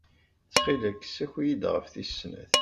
Ttxil-k, ssaki-iyi-d ɣef tis sat.